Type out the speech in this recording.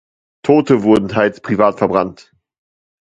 Tote wurden teils privat verbrannt.